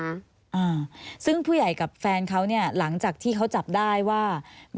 อ่าซึ่งผู้ใหญ่กับแฟนเขาเนี่ยหลังจากที่เขาจับได้ว่า